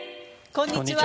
こんにちは。